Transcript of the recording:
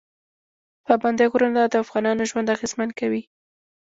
پابندی غرونه د افغانانو ژوند اغېزمن کوي.